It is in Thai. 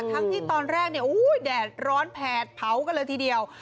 ทั้งที่ตอนแรกเนี่ยแดดร้อนแผดเผากันเลยทีเดียว